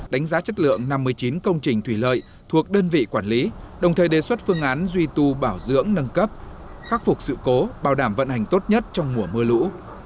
đánh giá chất lượng năm mươi chín công trình thủy lợi thuộc đơn vị quản lý đồng thời đề xuất phương án duy tu bảo dưỡng nâng cấp khắc phục sự cố bảo đảm vận hành tốt nhất trong mùa mưa lũ